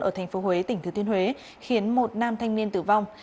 ở thành phố huế tỉnh thứ thiên huế khiến một nam thanh niên tử vong